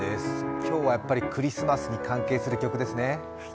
今日はやっぱりクリスマスに関係する曲ですね。